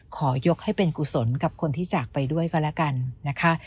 ขอยกให้เป็นกุศลกับคนที่จากไปด้วยก็แล้วกันนะคะ